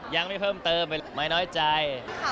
ยังไม่เพิ่มเติมไม่น้อยใจ